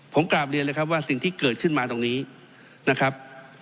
ผมกราบเรียนเลยครับว่าสิ่งที่เกิดขึ้นมาตรงนี้นะครับ